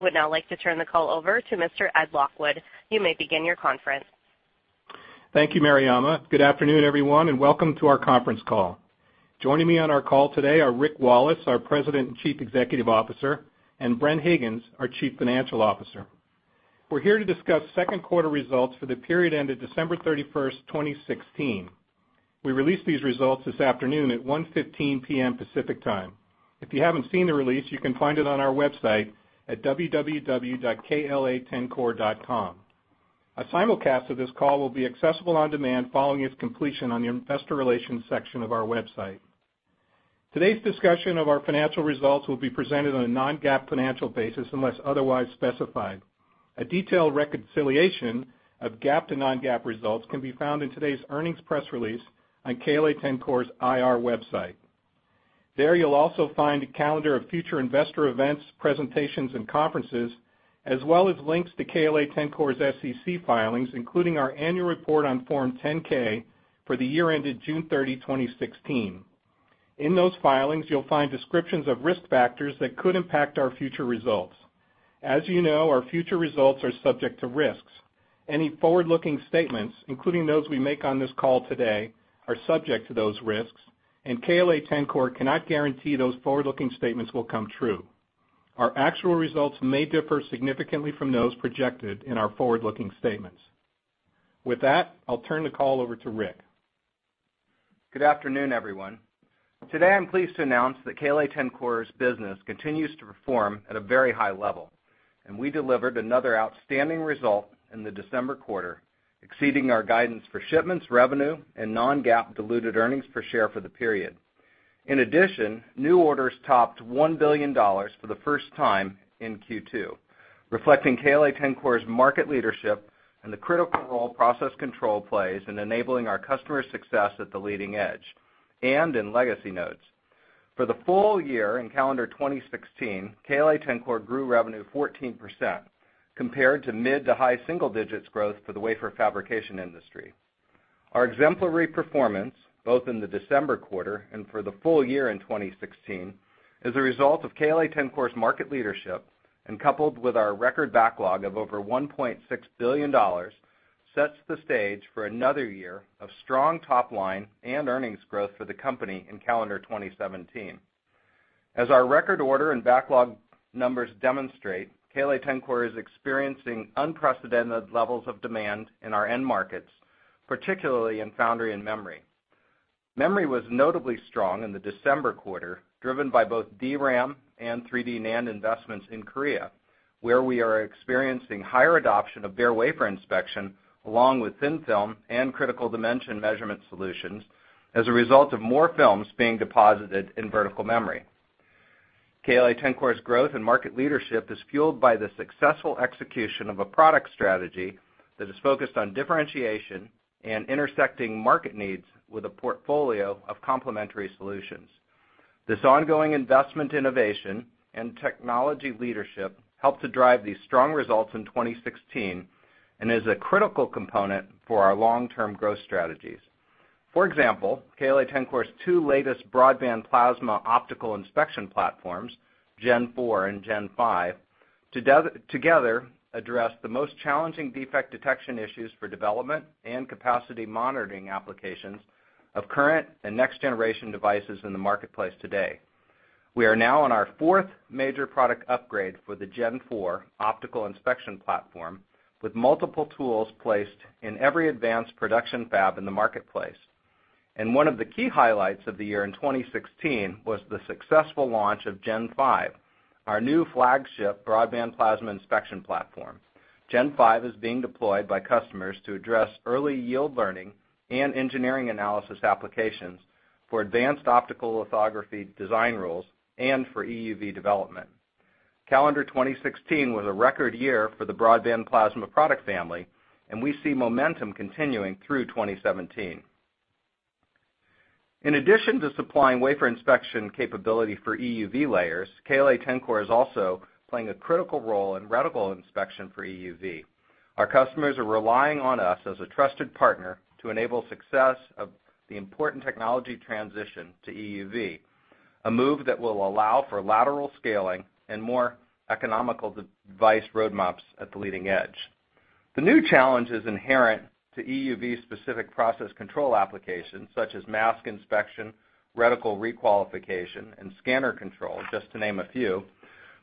Would now like to turn the call over to Mr. Ed Lockwood. You may begin your conference. Thank you, Mariama. Good afternoon, everyone, and welcome to our conference call. Joining me on our call today are Rick Wallace, our President and Chief Executive Officer, and Bren Higgins, our Chief Financial Officer. We are here to discuss second quarter results for the period ended December 31, 2016. We released these results this afternoon at 1:15 P.M. Pacific Time. If you haven't seen the release, you can find it on our website at www.kla-tencor.com. A simulcast of this call will be accessible on demand following its completion on the investor relations section of our website. Today's discussion of our financial results will be presented on a non-GAAP financial basis unless otherwise specified. A detailed reconciliation of GAAP to non-GAAP results can be found in today's earnings press release on KLA-Tencor's IR website. There, you will also find a calendar of future investor events, presentations, and conferences, as well as links to KLA-Tencor's SEC filings, including our annual report on Form 10-K for the year ended June 30, 2016. In those filings, you will find descriptions of risk factors that could impact our future results. As you know, our future results are subject to risks. Any forward-looking statements, including those we make on this call today, are subject to those risks, KLA-Tencor cannot guarantee those forward-looking statements will come true. Our actual results may differ significantly from those projected in our forward-looking statements. With that, I will turn the call over to Rick. Good afternoon, everyone. Today, I am pleased to announce that KLA-Tencor's business continues to perform at a very high level, and we delivered another outstanding result in the December quarter, exceeding our guidance for shipments, revenue, and non-GAAP diluted earnings per share for the period. In addition, new orders topped $1 billion for the first time in Q2, reflecting KLA-Tencor's market leadership and the critical role process control plays in enabling our customers' success at the leading edge and in legacy nodes. For the full year in calendar 2016, KLA-Tencor grew revenue 14%, compared to mid to high single digits growth for the wafer fabrication industry. Our exemplary performance, both in the December quarter and for the full year in 2016, is a result of KLA-Tencor's market leadership, and coupled with our record backlog of over $1.6 billion, sets the stage for another year of strong top-line and earnings growth for the company in calendar 2017. As our record order and backlog numbers demonstrate, KLA-Tencor is experiencing unprecedented levels of demand in our end markets, particularly in foundry and memory. Memory was notably strong in the December quarter, driven by both DRAM and 3D NAND investments in Korea, where we are experiencing higher adoption of bare wafer inspection, along with thin film and critical dimension measurement solutions as a result of more films being deposited in vertical memory. KLA-Tencor's growth and market leadership is fueled by the successful execution of a product strategy that is focused on differentiation and intersecting market needs with a portfolio of complementary solutions. This ongoing investment innovation and technology leadership helped to drive these strong results in 2016 and is a critical component for our long-term growth strategies. For example, KLA-Tencor's two latest broadband plasma optical inspection platforms, Gen 4 and Gen 5, together address the most challenging defect detection issues for development and capacity monitoring applications of current and next-generation devices in the marketplace today. We are now on our fourth major product upgrade for the Gen 4 optical inspection platform, with multiple tools placed in every advanced production fab in the marketplace. One of the key highlights of the year in 2016 was the successful launch of Gen 5, our new flagship broadband plasma inspection platform. Gen 5 is being deployed by customers to address early yield learning and engineering analysis applications for advanced optical lithography design rules and for EUV development. Calendar 2016 was a record year for the broadband plasma product family, and we see momentum continuing through 2017. In addition to supplying wafer inspection capability for EUV layers, KLA-Tencor is also playing a critical role in reticle inspection for EUV. Our customers are relying on us as a trusted partner to enable success of the important technology transition to EUV, a move that will allow for lateral scaling and more economical device roadmaps at the leading edge. The new challenges inherent to EUV-specific process control applications, such as mask inspection, reticle requalification, and scanner control, just to name a few,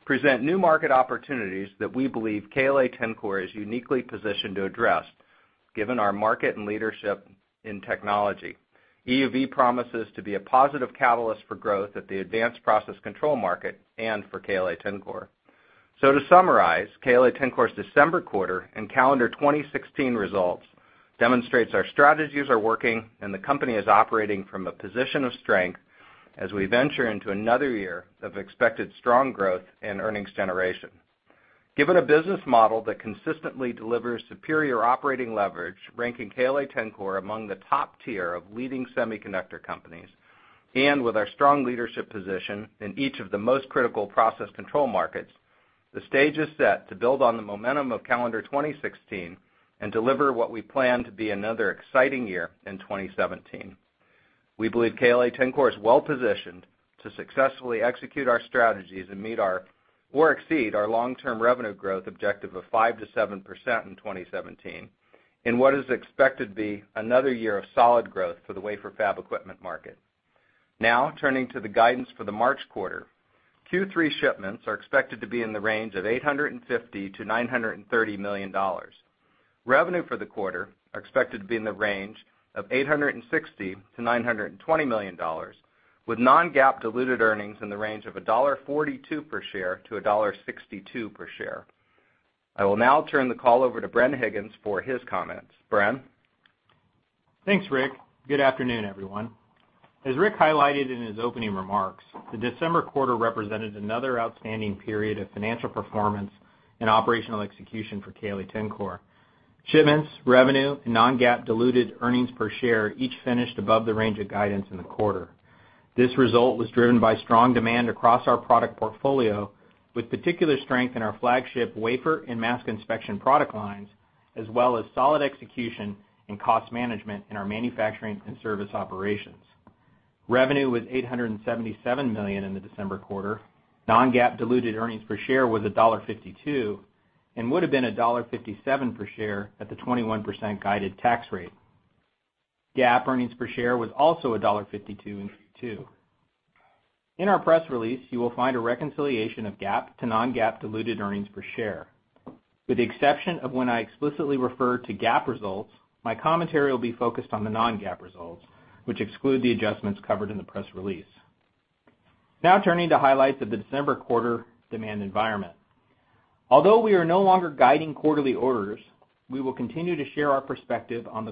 present new market opportunities that we believe KLA-Tencor is uniquely positioned to address, given our market and leadership in technology. EUV promises to be a positive catalyst for growth at the advanced process control market and for KLA-Tencor. To summarize, KLA-Tencor's December quarter and calendar 2016 results demonstrates our strategies are working, and the company is operating from a position of strength as we venture into another year of expected strong growth and earnings generation. Given a business model that consistently delivers superior operating leverage, ranking KLA-Tencor among the top tier of leading semiconductor companies, and with our strong leadership position in each of the most critical process control markets, the stage is set to build on the momentum of calendar 2016 and deliver what we plan to be another exciting year in 2017. We believe KLA-Tencor is well-positioned to successfully execute our strategies and meet or exceed our long-term revenue growth objective of 5%-7% in 2017, in what is expected to be another year of solid growth for the wafer fab equipment market. Turning to the guidance for the March quarter. Q3 shipments are expected to be in the range of $850 million-$930 million. Revenue for the quarter are expected to be in the range of $860 million-$920 million, with non-GAAP diluted earnings in the range of $1.42 per share-$1.62 per share. I will now turn the call over to Bren Higgins for his comments. Bren? Thanks, Rick. Good afternoon, everyone. As Rick highlighted in his opening remarks, the December quarter represented another outstanding period of financial performance and operational execution for KLA-Tencor. Shipments, revenue, and non-GAAP diluted earnings per share each finished above the range of guidance in the quarter. This result was driven by strong demand across our product portfolio, with particular strength in our flagship wafer and mask inspection product lines, as well as solid execution and cost management in our manufacturing and service operations. Revenue was $877 million in the December quarter. Non-GAAP diluted earnings per share was $1.52, and would have been $1.57 per share at the 21% guided tax rate. GAAP earnings per share was also $1.52 in Q2. In our press release, you will find a reconciliation of GAAP to non-GAAP diluted earnings per share. With the exception of when I explicitly refer to GAAP results, my commentary will be focused on the non-GAAP results, which exclude the adjustments covered in the press release. Turning to highlights of the December quarter demand environment. Although we are no longer guiding quarterly orders, we will continue to share our perspective on the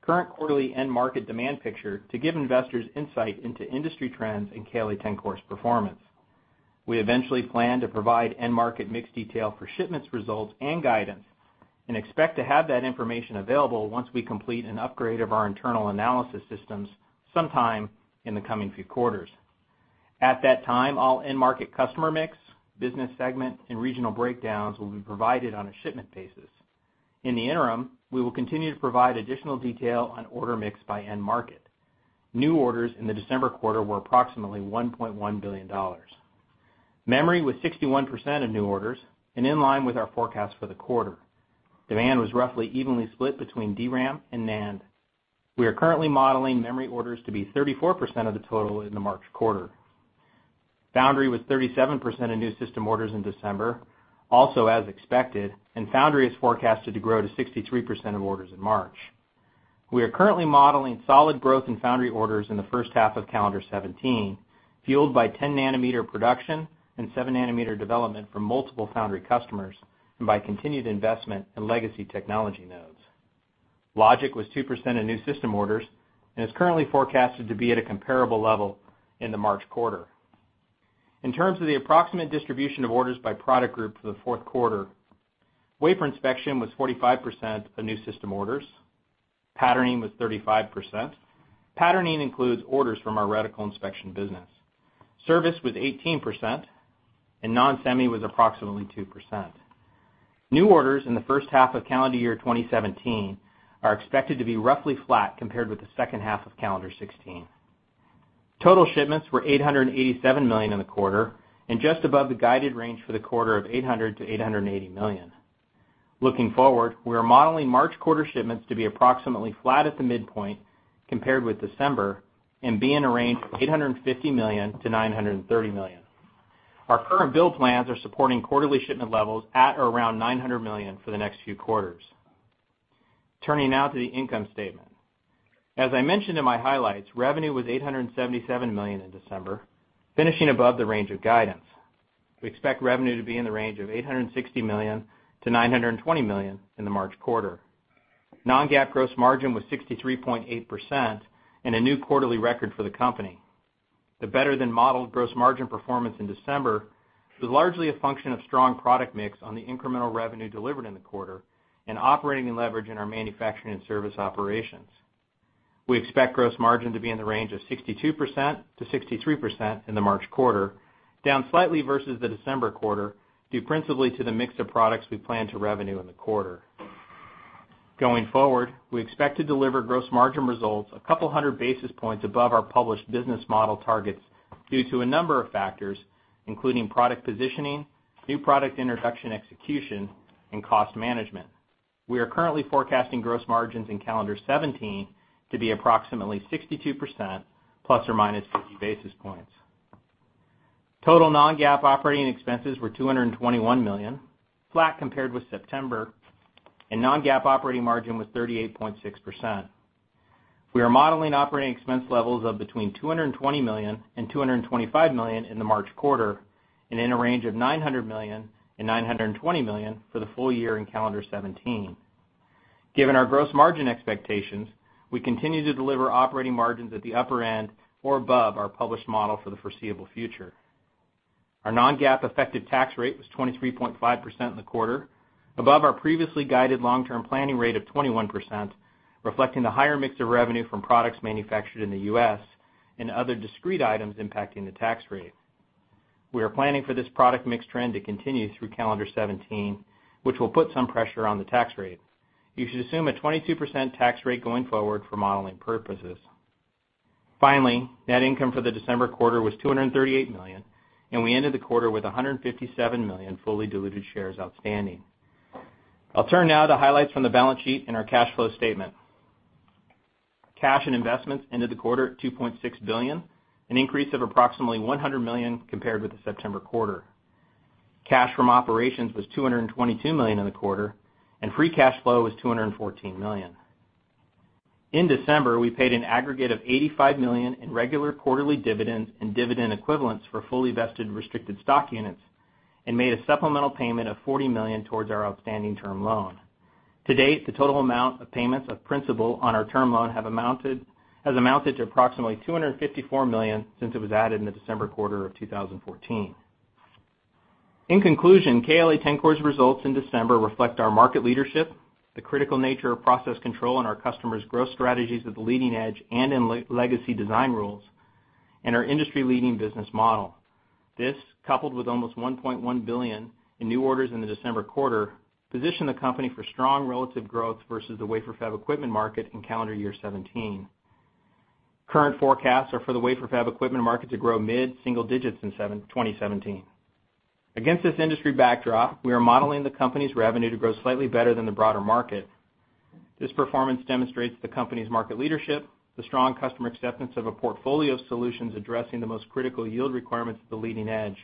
current quarterly end market demand picture to give investors insight into industry trends and KLA-Tencor's performance. We eventually plan to provide end market mix detail for shipments results and guidance, and expect to have that information available once we complete an upgrade of our internal analysis systems sometime in the coming few quarters. At that time, all end market customer mix, business segment, and regional breakdowns will be provided on a shipment basis. In the interim, we will continue to provide additional detail on order mix by end market. New orders in the December quarter were approximately $1.1 billion. Memory was 61% of new orders and in line with our forecast for the quarter. Demand was roughly evenly split between DRAM and NAND. We are currently modeling memory orders to be 34% of the total in the March quarter. Foundry was 37% of new system orders in December, also as expected, and foundry is forecasted to grow to 63% of orders in March. We are currently modeling solid growth in foundry orders in the first half of calendar 2017, fueled by 10-nanometer production and 7-nanometer development from multiple foundry customers, and by continued investment in legacy technology nodes. Logic was 2% of new system orders and is currently forecasted to be at a comparable level in the March quarter. In terms of the approximate distribution of orders by product group for the fourth quarter, wafer inspection was 45% of new system orders. Patterning was 35%. Patterning includes orders from our reticle inspection business. Service was 18%, and non-semi was approximately 2%. New orders in the first half of calendar year 2017 are expected to be roughly flat compared with the second half of calendar 2016. Total shipments were $887 million in the quarter, and just above the guided range for the quarter of $800 million-$880 million. Looking forward, we are modeling March quarter shipments to be approximately flat at the midpoint compared with December and be in a range of $850 million-$930 million. Our current bill plans are supporting quarterly shipment levels at or around $900 million for the next few quarters. Turning now to the income statement. As I mentioned in my highlights, revenue was $877 million in December, finishing above the range of guidance. We expect revenue to be in the range of $860 million-$920 million in the March quarter. Non-GAAP gross margin was 63.8% and a new quarterly record for the company. The better-than-modeled gross margin performance in December was largely a function of strong product mix on the incremental revenue delivered in the quarter and operating and leverage in our manufacturing and service operations. We expect gross margin to be in the range of 62%-63% in the March quarter, down slightly versus the December quarter, due principally to the mix of products we plan to revenue in the quarter. Going forward, we expect to deliver gross margin results a couple of hundred basis points above our published business model targets due to a number of factors, including product positioning, new product introduction execution, and cost management. We are currently forecasting gross margins in calendar 2017 to be approximately 62% ±50 basis points. Total non-GAAP operating expenses were $221 million, flat compared with September, and non-GAAP operating margin was 38.6%. We are modeling operating expense levels of between $220 million-$225 million in the March quarter, and in a range of $900 million-$920 million for the full year in calendar 2017. Given our gross margin expectations, we continue to deliver operating margins at the upper end or above our published model for the foreseeable future. Our non-GAAP effective tax rate was 23.5% in the quarter, above our previously guided long-term planning rate of 21%, reflecting the higher mix of revenue from products manufactured in the U.S. and other discrete items impacting the tax rate. We are planning for this product mix trend to continue through calendar 2017, which will put some pressure on the tax rate. You should assume a 22% tax rate going forward for modeling purposes. Finally, net income for the December quarter was $238 million, and we ended the quarter with 157 million fully diluted shares outstanding. I'll turn now to highlights from the balance sheet and our cash flow statement. Cash and investments ended the quarter at $2.6 billion, an increase of approximately $100 million compared with the September quarter. Cash from operations was $222 million in the quarter, and free cash flow was $214 million. In December, we paid an aggregate of $85 million in regular quarterly dividends and dividend equivalents for fully vested restricted stock units and made a supplemental payment of $40 million towards our outstanding term loan. To date, the total amount of payments of principal on our term loan has amounted to approximately $254 million since it was added in the December quarter of 2014. In conclusion, KLA-Tencor's results in December reflect our market leadership, the critical nature of process control on our customers' growth strategies at the leading edge and in legacy design rules, and our industry-leading business model. This, coupled with almost $1.1 billion in new orders in the December quarter, position the company for strong relative growth versus the wafer fab equipment market in calendar year 2017. Current forecasts are for the wafer fab equipment market to grow mid-single digits in 2017. Against this industry backdrop, we are modeling the company's revenue to grow slightly better than the broader market. This performance demonstrates the company's market leadership, the strong customer acceptance of a portfolio of solutions addressing the most critical yield requirements at the leading edge,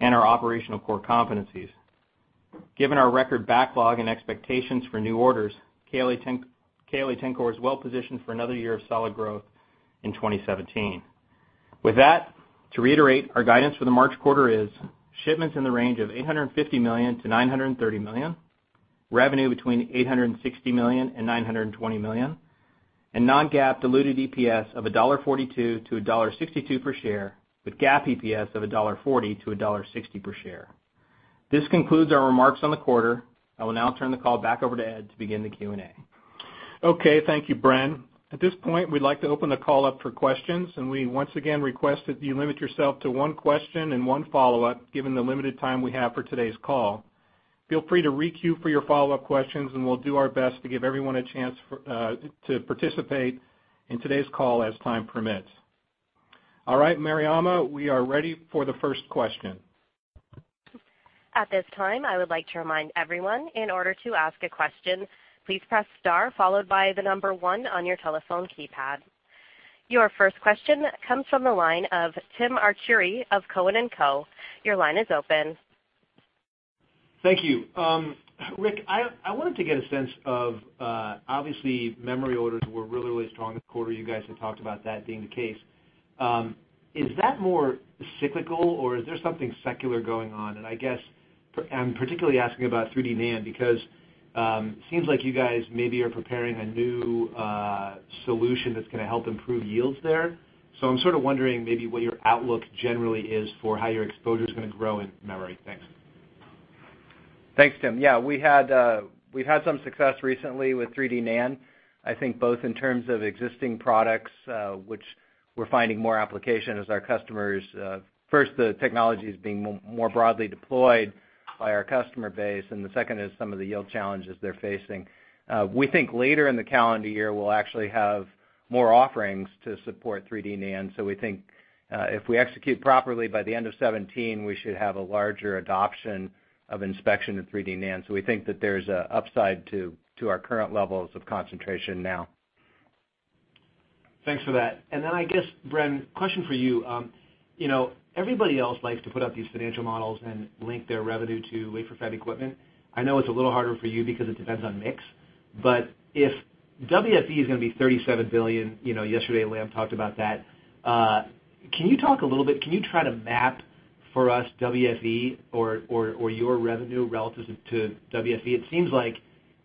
and our operational core competencies. Given our record backlog and expectations for new orders, KLA-Tencor is well-positioned for another year of solid growth in 2017. With that, to reiterate, our guidance for the March quarter is shipments in the range of $850 million to $930 million, revenue between $860 million and $920 million, and non-GAAP diluted EPS of $1.42 to $1.62 per share, with GAAP EPS of $1.40 to $1.60 per share. This concludes our remarks on the quarter. I will now turn the call back over to Ed to begin the Q&A. Okay. Thank you, Bren. At this point, we'd like to open the call up for questions. We once again request that you limit yourself to one question and one follow-up, given the limited time we have for today's call. Feel free to re-queue for your follow-up questions, and we'll do our best to give everyone a chance to participate in today's call as time permits. All right, Mariama, we are ready for the first question. At this time, I would like to remind everyone, in order to ask a question, please press star followed by the number one on your telephone keypad. Your first question comes from the line of Tim Arcuri of Cowen and Co. Your line is open. Thank you. Rick, I wanted to get a sense of, obviously, memory orders were really strong this quarter. You guys have talked about that being the case. Is that more cyclical, or is there something secular going on? I guess, I'm particularly asking about 3D NAND because it seems like you guys maybe are preparing a new solution that's going to help improve yields there. I'm sort of wondering maybe what your outlook generally is for how your exposure is going to grow in memory. Thanks. Thanks, Tim. We've had some success recently with 3D NAND, I think both in terms of existing products which we're finding more application as our customer base. First, the technology is being more broadly deployed by our customer base, and the second is some of the yield challenges they're facing. We think later in the calendar year, we'll actually have more offerings to support 3D NAND. We think, if we execute properly, by the end of 2017, we should have a larger adoption of inspection in 3D NAND. We think that there's an upside to our current levels of concentration now. Thanks for that. I guess, Bren, question for you. Everybody else likes to put up these financial models and link their revenue to wafer fab equipment. I know it's a little harder for you because it depends on mix. If WFE is going to be $37 billion, yesterday Lam talked about that, can you talk a little bit, can you try to map for us WFE or your revenue relative to WFE? It seems like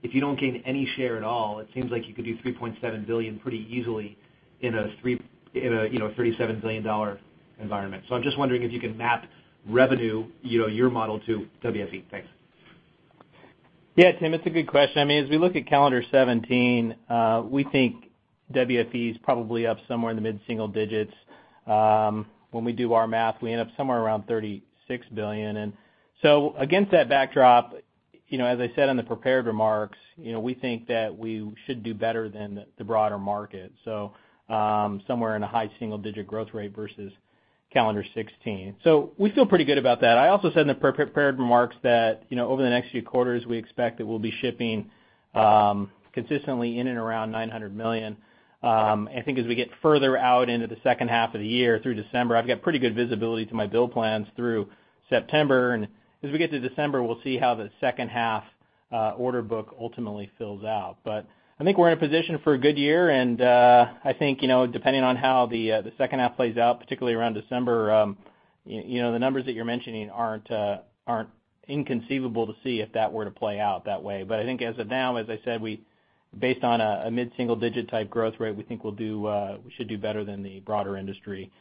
if you don't gain any share at all, it seems like you could do $3.7 billion pretty easily in a $37 billion environment. I'm just wondering if you can map revenue, your model to WFE. Thanks. Tim, it's a good question. As we look at calendar 2017, we think WFE is probably up somewhere in the mid-single digits. When we do our math, we end up somewhere around $36 billion. Against that backdrop, as I said on the prepared remarks, we think that we should do better than the broader market. Somewhere in a high single-digit growth rate versus calendar 2016. We feel pretty good about that. I also said in the prepared remarks that over the next few quarters, we expect that we'll be shipping consistently in and around $900 million. I think as we get further out into the second half of the year through December, I've got pretty good visibility to my bill plans through September, and as we get to December, we'll see how the second half order book ultimately fills out. I think we're in a position for a good year, and I think, depending on how the second half plays out, particularly around December, the numbers that you're mentioning aren't inconceivable to see if that were to play out that way. I think as of now, as I said, based on a mid-single digit type growth rate, we think we should do better than the broader industry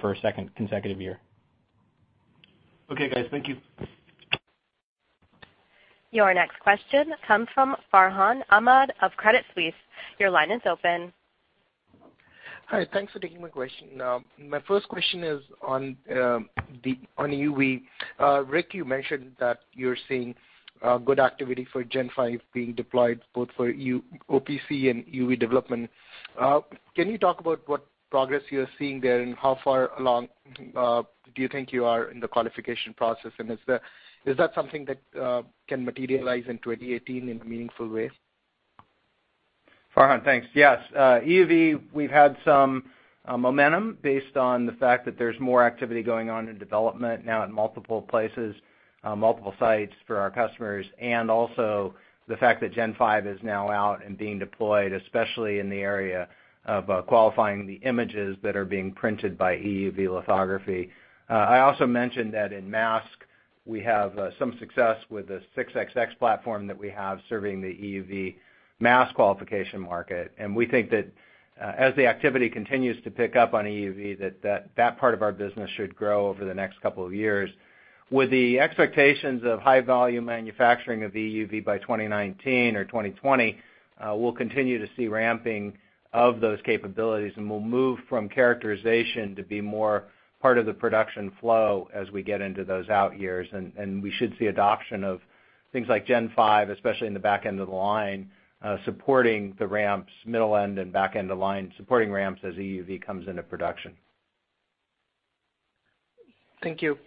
for a second consecutive year. Okay, guys. Thank you. Your next question comes from Farhan Ahmad of Credit Suisse. Your line is open. Hi. Thanks for taking my question. My first question is on EUV. Rick, you mentioned that you're seeing good activity for Gen 5 being deployed both for OPC and EUV development. Can you talk about what progress you are seeing there, and how far along do you think you are in the qualification process? Is that something that can materialize in 2018 in a meaningful way? Farhan, thanks. Yes. EUV, we've had some momentum based on the fact that there's more activity going on in development now in multiple places, multiple sites for our customers, and also the fact that Gen 5 is now out and being deployed, especially in the area of qualifying the images that are being printed by EUV lithography. I also mentioned that in mask, we have some success with the 6xx platform that we have serving the EUV mask qualification market. We think that as the activity continues to pick up on EUV, that part of our business should grow over the next couple of years. With the expectations of high-volume manufacturing of EUV by 2019 or 2020, we'll continue to see ramping of those capabilities, and we'll move from characterization to be more part of the production flow as we get into those out years. We should see adoption of things like Gen 5, especially in the back end of the line, supporting the ramps, middle end and back end of line, supporting ramps as EUV comes into production. Thank you.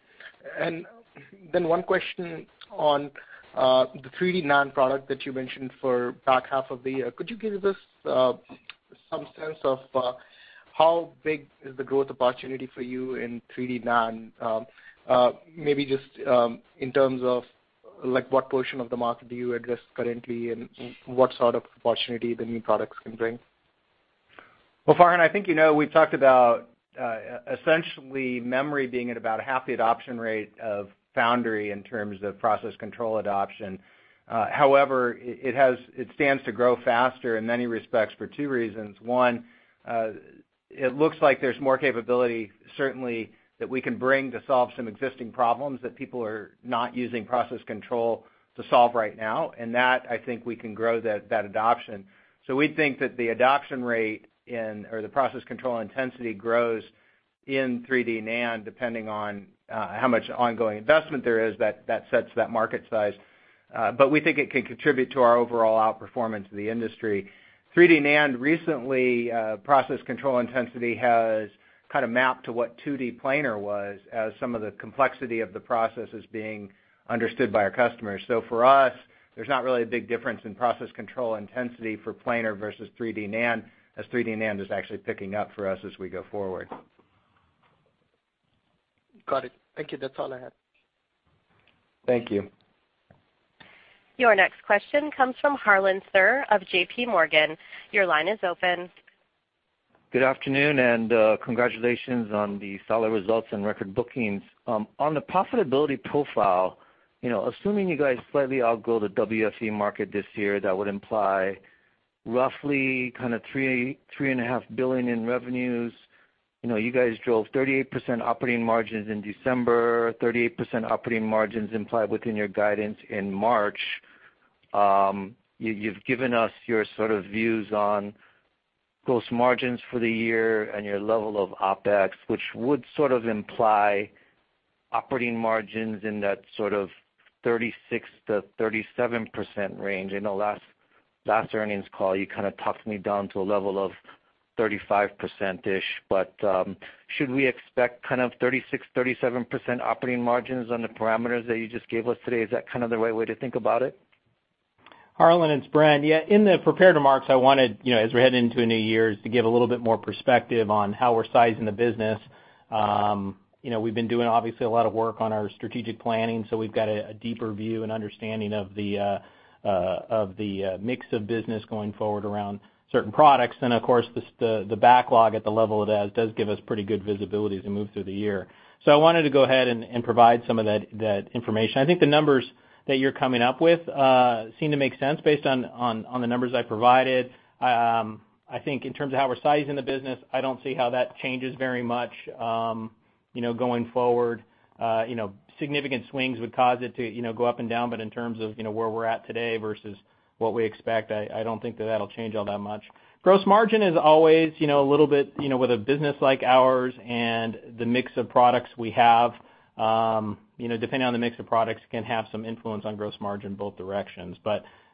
One question on the 3D NAND product that you mentioned for back half of the year. Could you give us some sense of how big is the growth opportunity for you in 3D NAND? Maybe just in terms of what portion of the market do you address currently, and what sort of opportunity the new products can bring? Well, Farhan, I think you know we've talked about essentially memory being at about half the adoption rate of foundry in terms of process control adoption. However, it stands to grow faster in many respects for two reasons. One, it looks like there's more capability certainly that we can bring to solve some existing problems that people are not using process control to solve right now, and that, I think we can grow that adoption. We think that the adoption rate or the process control intensity grows in 3D NAND, depending on how much ongoing investment there is that sets that market size. We think it can contribute to our overall outperformance of the industry. 3D NAND, recently, process control intensity has kind of mapped to what 2D planar was as some of the complexity of the process is being understood by our customers. For us, there's not really a big difference in process control intensity for planar versus 3D NAND, as 3D NAND is actually picking up for us as we go forward. Got it. Thank you. That's all I had. Thank you. Your next question comes from Harlan Sur of JPMorgan. Your line is open. Good afternoon. Congratulations on the solid results and record bookings. On the profitability profile, assuming you guys slightly outgrow the WFE market this year, that would imply roughly kind of $3.5 billion in revenues. You guys drove 38% operating margins in December, 38% operating margins implied within your guidance in March. You've given us your sort of views on gross margins for the year and your level of OpEx, which would sort of imply operating margins in that sort of 36%-37% range. I know last earnings call, you kind of talked me down to a level of 35%-ish, but should we expect kind of 36%-37% operating margins on the parameters that you just gave us today? Is that kind of the right way to think about it? Harlan, it's Bren. Yeah, in the prepared remarks, I wanted, as we're heading into a new year, is to give a little bit more perspective on how we're sizing the business. We've been doing obviously a lot of work on our strategic planning, we've got a deeper view and understanding of the mix of business going forward around certain products. Of course, the backlog at the level it has does give us pretty good visibility as we move through the year. I wanted to go ahead and provide some of that information. I think the numbers that you're coming up with seem to make sense based on the numbers I provided. I think in terms of how we're sizing the business, I don't see how that changes very much going forward. Significant swings would cause it to go up and down, in terms of where we're at today versus what we expect, I don't think that that'll change all that much. Gross margin is always a little bit, with a business like ours and the mix of products we have, depending on the mix of products, can have some influence on gross margin both directions.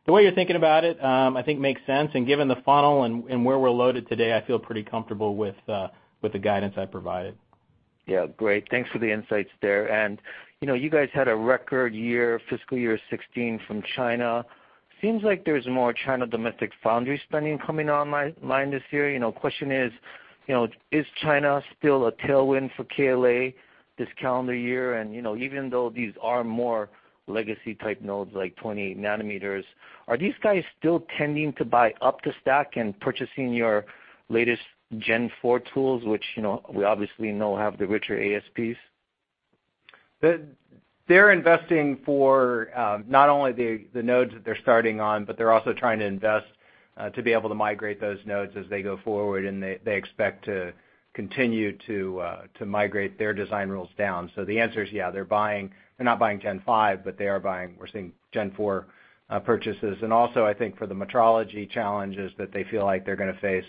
The way you're thinking about it, I think makes sense. Given the funnel and where we're loaded today, I feel pretty comfortable with the guidance I provided. Yeah. Great. Thanks for the insights there. You guys had a record year, fiscal year 2016 from China. Seems like there's more China domestic foundry spending coming online this year. Question is China still a tailwind for KLA this calendar year? Even though these are more legacy-type nodes, like 20 nanometers, are these guys still tending to buy up the stack and purchasing your latest Gen 4 tools, which we obviously know have the richer ASPs? They're investing for not only the nodes that they're starting on, but they're also trying to invest to be able to migrate those nodes as they go forward, and they expect to continue to migrate their design rules down. The answer is, yeah, they're not buying Gen 5, but we're seeing Gen 4 purchases. Also, I think for the metrology challenges that they feel like they're going to face,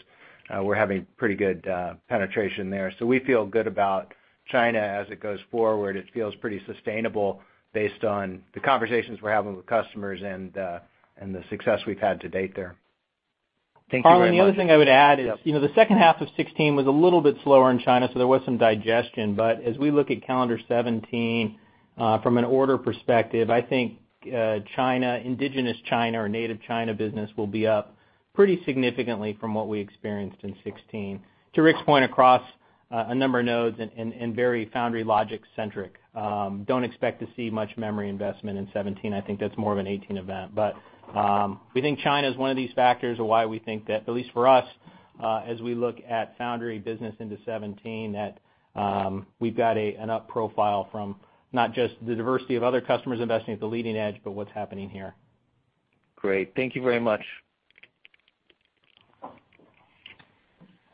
we're having pretty good penetration there. We feel good about China as it goes forward. It feels pretty sustainable based on the conversations we're having with customers and the success we've had to date there. Thank you very much. Harlan, the only thing I would add is, the second half of 2016 was a little bit slower in China, there was some digestion. As we look at calendar 2017, from an order perspective, I think indigenous China or native China business will be up pretty significantly from what we experienced in 2016. To Rick's point, across a number of nodes and very foundry logic centric. Don't expect to see much memory investment in 2017. I think that's more of a 2018 event. We think China is one of these factors of why we think that, at least for us, as we look at foundry business into 2017, that we've got an up profile from not just the diversity of other customers investing at the leading edge, but what's happening here. Great. Thank you very much.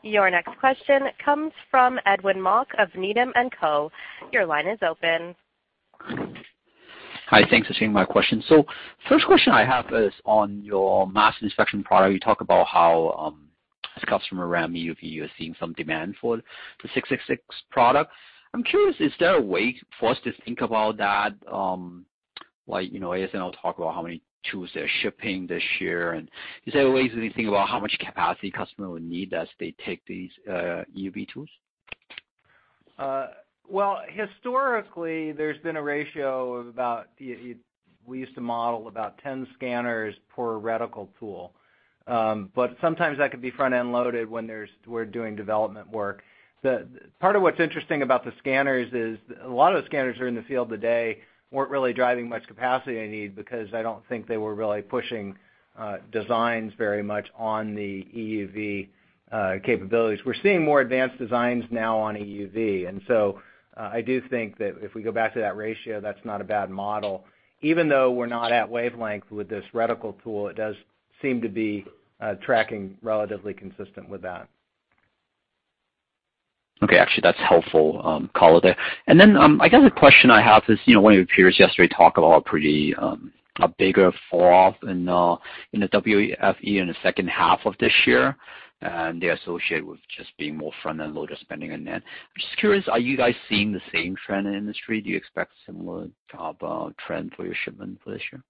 Your next question comes from Edwin Mok of Needham & Co. Your line is open. Hi. Thanks for taking my question. First question I have is on your mask inspection product. You talk about how, as customer around EUV, you're seeing some demand for the 6xx product. I'm curious, is there a way for us to think about that? Like, ASML talk about how many tools they're shipping this year, and is there a way to think about how much capacity customer will need as they take these EUV tools? Well, historically, there's been a ratio of about, we used to model about 10 scanners per reticle tool. Sometimes that could be front-end loaded when we're doing development work. Part of what's interesting about the scanners is a lot of the scanners that are in the field today weren't really driving much capacity need because I don't think they were really pushing designs very much on the EUV capabilities. We're seeing more advanced designs now on EUV, I do think that if we go back to that ratio, that's not a bad model. Even though we're not at wavelength with this reticle tool, it does seem to be tracking relatively consistent with that. Okay. Actually, that's helpful color there. I guess a question I have is, one of your peers yesterday talked about a bigger fall-off in the WFE in the second half of this year, and they associate with just being more front-end loaded spending on that. I'm just curious, are you guys seeing the same trend in the industry? Do you expect similar type of trend for your shipment for this year?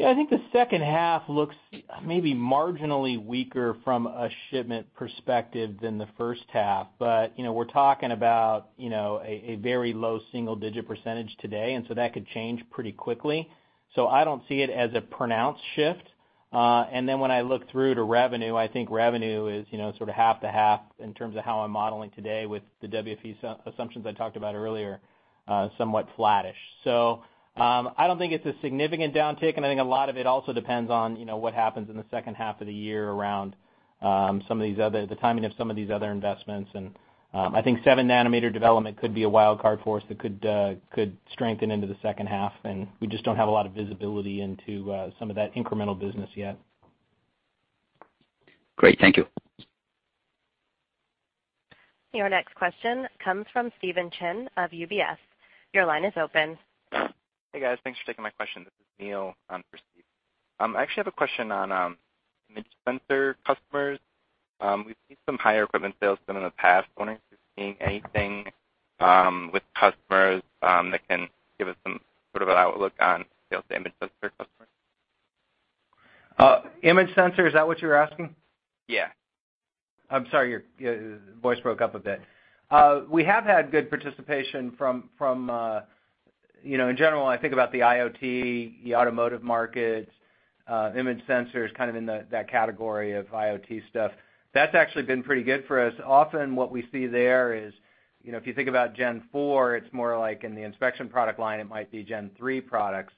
Yeah, I think the second half looks maybe marginally weaker from a shipment perspective than the first half. We're talking about a very low single-digit % today, that could change pretty quickly. I don't see it as a pronounced shift. When I look through to revenue, I think revenue is sort of half to half in terms of how I'm modeling today with the WFE assumptions I talked about earlier, somewhat flattish. I don't think it's a significant downtick, a lot of it also depends on what happens in the second half of the year around the timing of some of these other investments, I think 7-nanometer development could be a wild card for us that could strengthen into the second half, we just don't have a lot of visibility into some of that incremental business yet. Great. Thank you. Your next question comes from Stephen Chin of UBS. Your line is open. Hey, guys. Thanks for taking my question. This is Neil for Stephen. I actually have a question on image sensor customers. We've seen some higher equipment sales than in the past. Wondering if you're seeing anything with customers that can give us some sort of an outlook on sales to image sensor customers. Image sensor, is that what you were asking? Yeah. I'm sorry, your voice broke up a bit. We have had good participation from, in general, when I think about the IoT, the automotive markets, image sensors, kind of in that category of IoT stuff. That's actually been pretty good for us. Often what we see there is, if you think about Gen 4, it's more like in the inspection product line, it might be Gen 3 products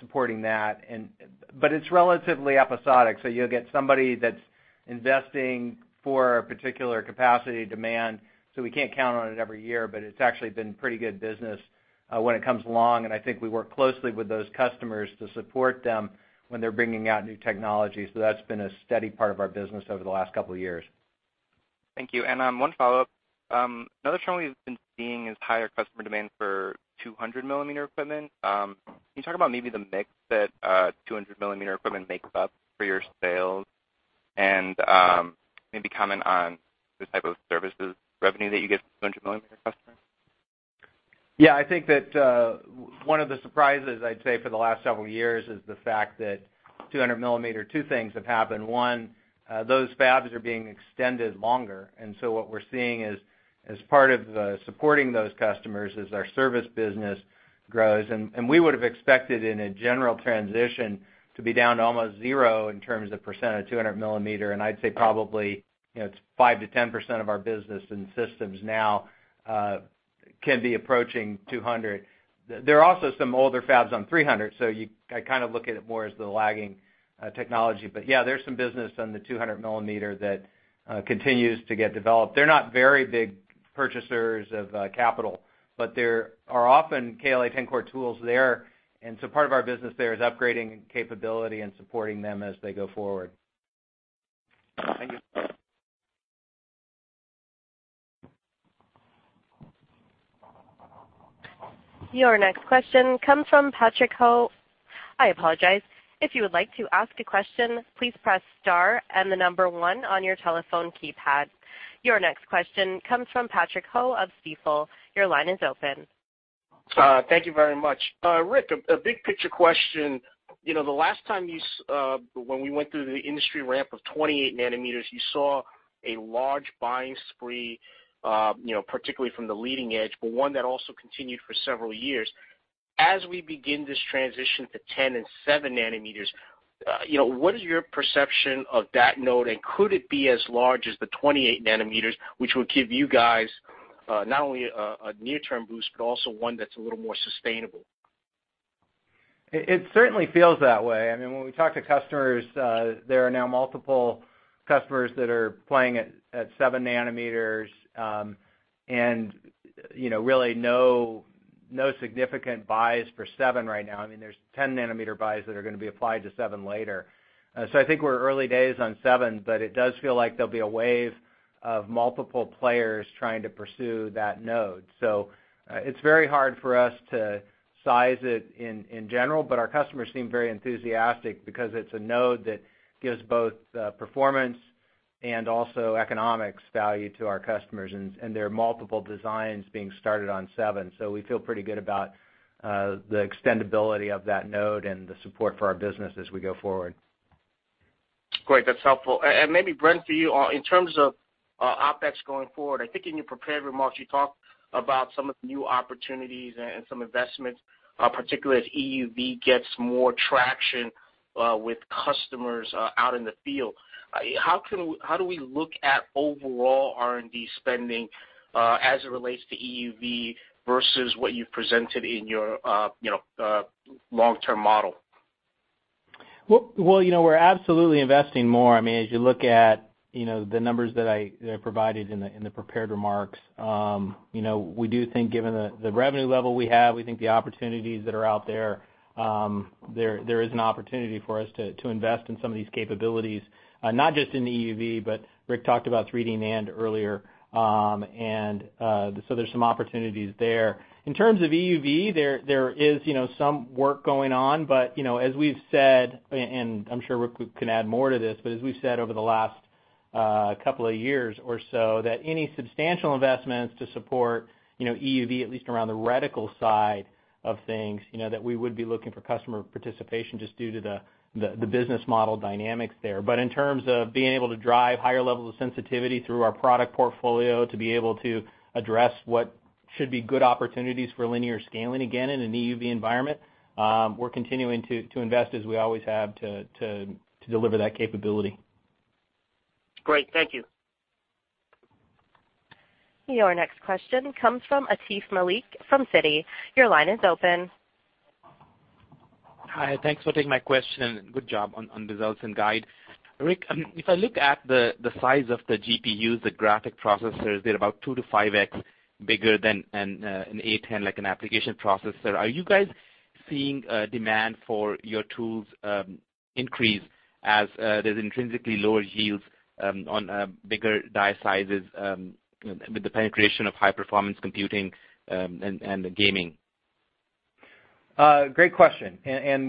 supporting that. It's relatively episodic, you'll get somebody that's investing for a particular capacity demand, we can't count on it every year. It's actually been pretty good business when it comes along, I think we work closely with those customers to support them when they're bringing out new technology. That's been a steady part of our business over the last couple of years. Thank you. One follow-up. Another trend we've been seeing is higher customer demand for 200-millimeter equipment. Can you talk about maybe the mix that 200-millimeter equipment makes up for your sales and maybe comment on the type of services revenue that you get from 200-millimeter customers? Yeah, I think that one of the surprises, I'd say, for the last several years is the fact that 200 millimeter, two things have happened. One, those fabs are being extended longer. What we're seeing is, as part of supporting those customers is our service business grows. We would've expected in a general transition to be down to almost zero in terms of percent of 200 millimeter. I'd say probably it's 5%-10% of our business in systems now can be approaching 200. There are also some older fabs on 300. I kind of look at it more as the lagging technology. Yeah, there's some business on the 200 millimeter that continues to get developed. They're not very big purchasers of capital. There are often KLA-Tencor tools there, part of our business there is upgrading capability and supporting them as they go forward. Thank you. Your next question comes from Patrick Ho. I apologize. If you would like to ask a question, please press star and the number 1 on your telephone keypad. Your next question comes from Patrick Ho of Stifel. Your line is open. Thank you very much. Rick, a big picture question. The last time when we went through the industry ramp of 28 nanometers, you saw a large buying spree, particularly from the leading edge, one that also continued for several years. As we begin this transition to 10 and seven nanometers, what is your perception of that node, and could it be as large as the 28 nanometers, which will give you guys not only a near-term boost, but also one that's a little more sustainable? It certainly feels that way. When we talk to customers, there are now multiple customers that are playing at seven nanometers, and really no significant buys for seven right now. There's 10-nanometer buys that are going to be applied to seven later. I think we're early days on seven, but it does feel like there'll be a wave of multiple players trying to pursue that node. It's very hard for us to size it in general, but our customers seem very enthusiastic because it's a node that gives both performance and also economics value to our customers, and there are multiple designs being started on seven. We feel pretty good about the extendibility of that node and the support for our business as we go forward. Great. That's helpful. Maybe, Bren, for you, in terms of OpEx going forward, I think in your prepared remarks, you talked about some of the new opportunities and some investments, particularly as EUV gets more traction with customers out in the field. How do we look at overall R&D spending as it relates to EUV versus what you've presented in your long-term model? We're absolutely investing more. As you look at the numbers that I provided in the prepared remarks, we do think given the revenue level we have, we think the opportunities that are out there is an opportunity for us to invest in some of these capabilities, not just in EUV, but Rick talked about 3D NAND earlier. There's some opportunities there. In terms of EUV, there is some work going on. As we've said, and I'm sure Rick can add more to this, as we've said over the last couple of years or so, that any substantial investments to support EUV, at least around the reticle side of things, that we would be looking for customer participation just due to the business model dynamics there. In terms of being able to drive higher levels of sensitivity through our product portfolio to be able to address what should be good opportunities for linear scaling, again, in an EUV environment, we're continuing to invest as we always have to deliver that capability. Great. Thank you. Your next question comes from Atif Malik from Citi. Your line is open. Hi. Thanks for taking my question. Good job on results and guide. Rick, if I look at the size of the GPUs, the graphic processors, they're about 2x-5x bigger than an A10, like an application processor. Are you guys seeing demand for your tools increase as there's intrinsically lower yields on bigger die sizes with the penetration of high-performance computing and gaming? Great question.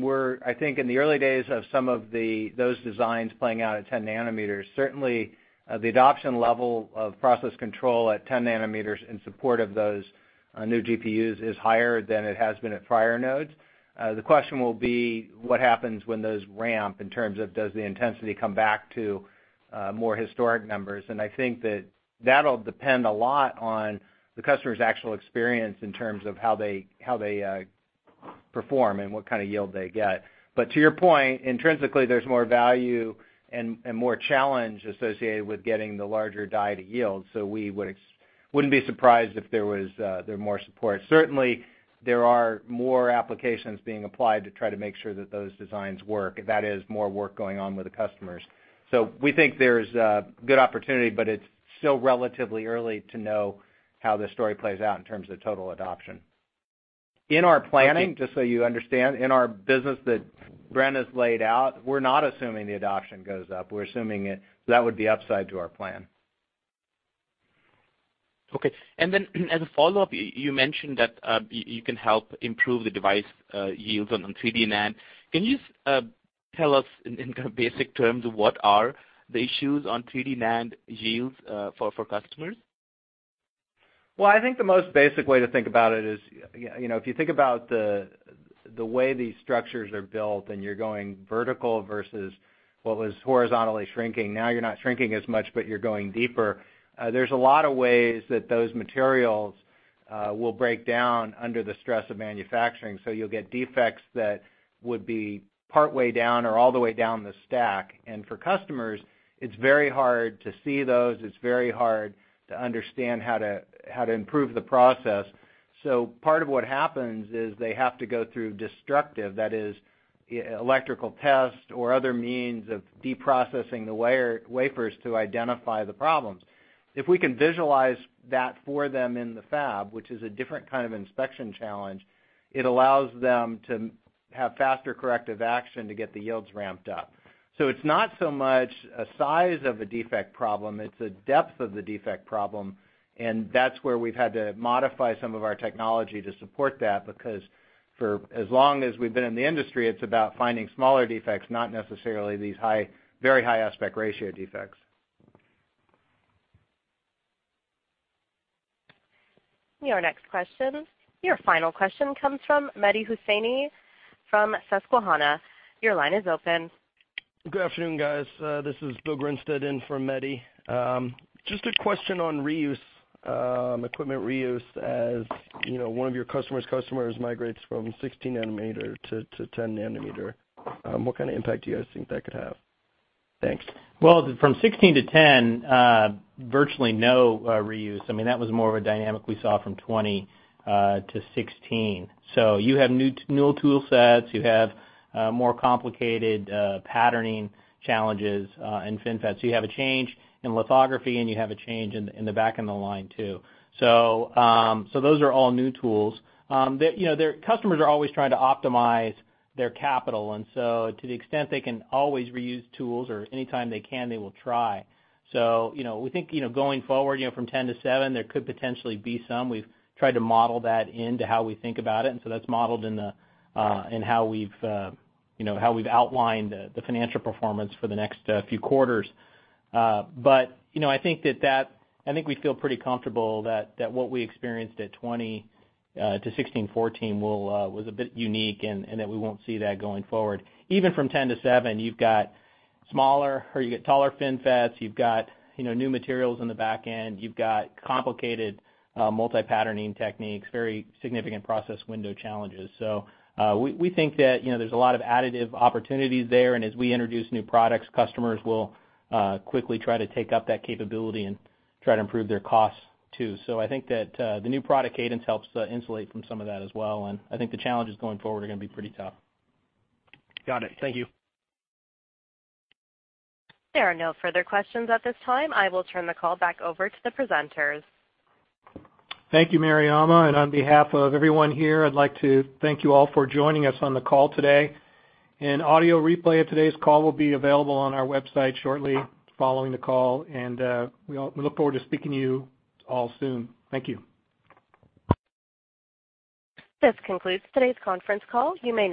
We're, I think, in the early days of some of those designs playing out at 10 nanometers. Certainly, the adoption level of process control at 10 nanometers in support of those new GPUs is higher than it has been at prior nodes. The question will be what happens when those ramp in terms of does the intensity come back to more historic numbers? I think that that'll depend a lot on the customer's actual experience in terms of how they perform and what kind of yield they get. To your point, intrinsically, there's more value and more challenge associated with getting the larger die to yield. We wouldn't be surprised if there were more support. Certainly, there are more applications being applied to try to make sure that those designs work. That is more work going on with the customers. We think there's a good opportunity, but it's still relatively early to know how this story plays out in terms of total adoption. In our planning, just so you understand, in our business that Bren has laid out, we're not assuming the adoption goes up. We're assuming that would be upside to our plan. Okay. As a follow-up, you mentioned that you can help improve the device yields on 3D NAND. Can you tell us in kind of basic terms what are the issues on 3D NAND yields for customers? Well, I think the most basic way to think about it is, if you think about the way these structures are built, and you're going vertical versus what was horizontally shrinking. Now you're not shrinking as much, but you're going deeper. There's a lot of ways that those materials will break down under the stress of manufacturing, so you'll get defects that would be partway down or all the way down the stack. For customers, it's very hard to see those, it's very hard to understand how to improve the process. Part of what happens is they have to go through destructive, that is electrical test or other means of de-processing the wafers to identify the problems. If we can visualize that for them in the fab, which is a different kind of inspection challenge, it allows them to have faster corrective action to get the yields ramped up. It's not so much a size of a defect problem, it's a depth of the defect problem, and that's where we've had to modify some of our technology to support that because for as long as we've been in the industry, it's about finding smaller defects, not necessarily these very high aspect ratio defects. Your next question, your final question comes from Mehdi Hosseini from Susquehanna. Your line is open. Good afternoon, guys. This is Bill Grinstead in for Mehdi. Just a question on equipment reuse as one of your customer's customers migrates from 16 nanometer to 10 nanometer. What kind of impact do you guys think that could have? Thanks. From 16 to 10, virtually no reuse. That was more of a dynamic we saw from 20 to 16. You have new tool sets, you have more complicated patterning challenges in FinFET. You have a change in lithography, and you have a change in the back of the line too. Those are all new tools. Customers are always trying to optimize their capital, and to the extent they can always reuse tools or anytime they can, they will try. We think going forward from 10 to seven, there could potentially be some. We've tried to model that into how we think about it, and that's modeled in how we've outlined the financial performance for the next few quarters. I think we feel pretty comfortable that what we experienced at 20 to 16, 14 was a bit unique and that we won't see that going forward. Even from 10 to seven, you've got taller FinFETs, you've got new materials in the back end, you've got complicated multi-patterning techniques, very significant process window challenges. We think that there's a lot of additive opportunities there and as we introduce new products, customers will quickly try to take up that capability and try to improve their costs too. I think that the new product cadence helps insulate from some of that as well, and I think the challenges going forward are going to be pretty tough. Got it. Thank you. There are no further questions at this time. I will turn the call back over to the presenters. Thank you, Mariama, and on behalf of everyone here, I'd like to thank you all for joining us on the call today. An audio replay of today's call will be available on our website shortly following the call, and we look forward to speaking to you all soon. Thank you. This concludes today's conference call. You may dis-